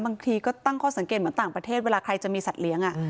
บางทีก็ตั้งข้อสังเกตเหมือนต่างประเทศเวลาใครจะมีสัตว์เลี้ยง